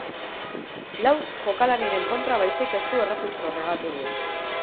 Lau jokalarien kontra baizik ez du erregistro negatiboa.